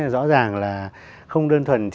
rõ ràng là không đơn thuần